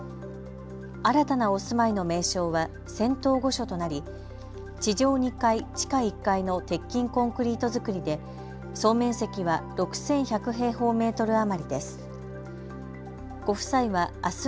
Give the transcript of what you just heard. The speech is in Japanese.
新たなお住まいの名称は仙洞御所となり地上２階、地下１階の鉄筋コンクリート造りで総面積は６１００平方メートル余りです。